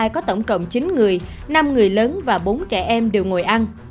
có tổng cộng chín người năm người lớn và bốn trẻ em đều ngồi ăn